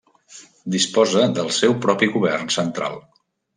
Disposa del seu propi govern central.